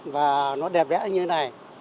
và nó đẹp vẽ như thế này